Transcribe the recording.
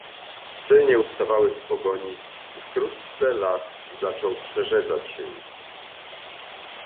"Psy nie ustawały w pogoni i wkrótce las zaczął przerzedzać się."